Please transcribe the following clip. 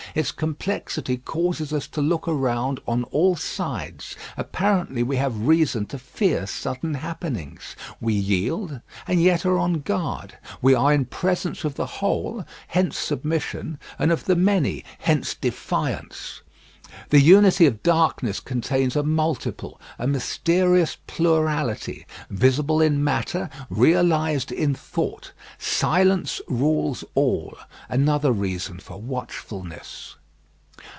Its complexity causes us to look around on all sides; apparently we have reason to fear sudden happenings. We yield and yet are on guard. We are in presence of the whole, hence submission; and of the many, hence defiance. The unity of darkness contains a multiple, a mysterious plurality visible in matter, realised in thought. Silence rules all; another reason for watchfulness.